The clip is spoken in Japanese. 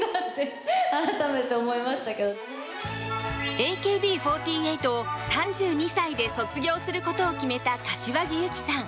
ＡＫＢ４８を３２歳で卒業することを決めた柏木由紀さん。